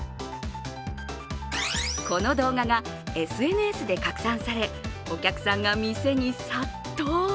この動画がＳＮＳで拡散されお客さんが店に殺到。